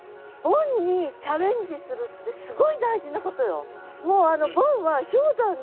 ボンにチャレンジするってすごい大事なことよ。